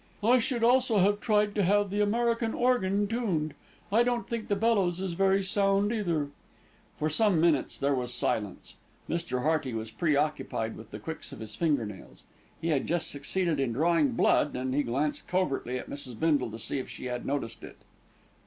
"I should also have tried to have the American organ tuned, I don't think the bellows is very sound, either." For some minutes there was silence. Mr. Hearty was preoccupied with the quicks of his finger nails. He had just succeeded in drawing blood, and he glanced covertly at Mrs. Bindle to see if she had noticed it.